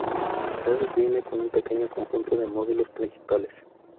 Perl viene con un pequeño conjunto de módulos principales.